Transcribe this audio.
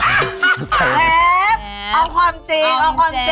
เทปเอาความจริงเอาความจริง